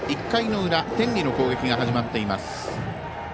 １回の裏、天理の攻撃が始まっています。